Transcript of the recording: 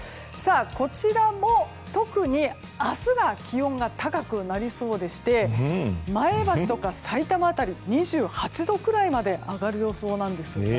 こちらも特に明日が気温が高くなりそうでして前橋とかさいたま辺り２８度くらいまで上がる予想なんですよね。